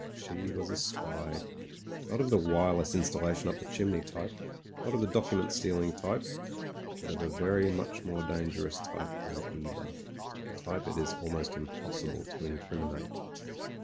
She was a spy, not of the wireless installa tion up the chimney type, not of the document steal ing type, but of a very much more dangerous type than either, the type it is almost impossible to incrim inate.